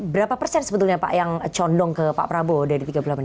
berapa persen sebetulnya pak yang condong ke pak prabowo dari tiga puluh delapan